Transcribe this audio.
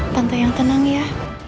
tante yang tenang ya